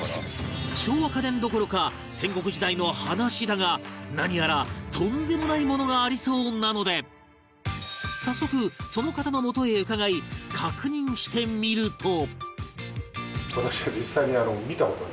昭和家電どころか戦国時代の話だが何やらとんでもないものがありそうなので早速その方のもとへ伺い確認してみると